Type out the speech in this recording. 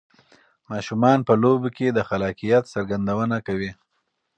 ماشومان په لوبو کې د خلاقیت څرګندونه کوي.